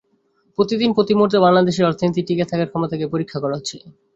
প্রতিদিন, প্রতি মুহূর্তে বাংলাদেশের অর্থনীতির টিকে থাকার ক্ষমতাকে পরীক্ষা করা হচ্ছে।